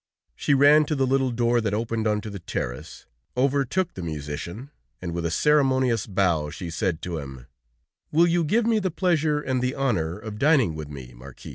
She ran to the little door that opened onto the terrace, overtook the musician, and with a ceremonious bow she said to him: "Will you give me the pleasure and the honor of dining with me, Marquis?"